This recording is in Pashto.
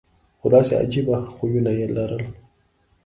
خو داسې عجیبه خویونه یې لرل.